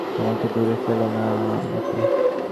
এতদিন পরে ত্যাগ কোরো না আমাকে, দূরে ফেলো না আমাকে।